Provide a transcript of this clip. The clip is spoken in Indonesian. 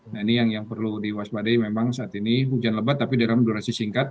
nah ini yang perlu diwaspadai memang saat ini hujan lebat tapi dalam durasi singkat